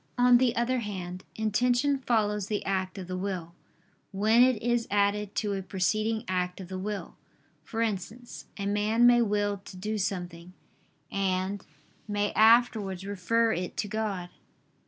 On the other hand, intention follows the act of the will, when it is added to a preceding act of the will; for instance, a man may will to do something, and may afterwards refer it to God.